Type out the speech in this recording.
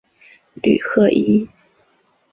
吕赫伊。